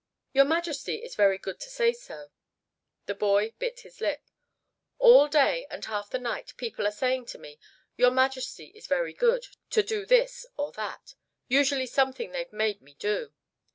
"Your Majesty is very good to say so." The boy bit his lip. "All day and half the night people are saying to me, 'Your Majesty is very good' to do this or that, usually something they've made me do.